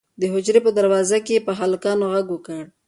د حجرې په دروازه کې یې په هلکانو غږ وکړ.